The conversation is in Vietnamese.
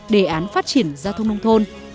đề án phát triển giao thông nông thôn